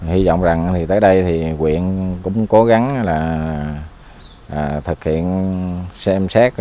hy vọng rằng tới đây thì quyện cũng cố gắng là thực hiện xem xét